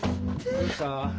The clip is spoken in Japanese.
どうした？